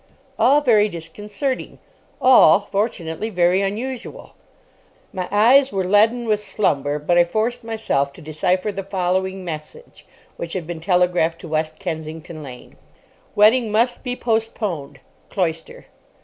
All very disconcerting. All, fortunately, very unusual. My eyes were leaden with slumber, but I forced myself to decipher the following message, which had been telegraphed to West Kensington Lane: Wedding must be postponed.—CLOYSTER.